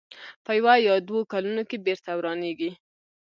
په یوه یا دوو کلونو کې بېرته ورانېږي.